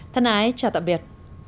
thân ái chào tạm biệt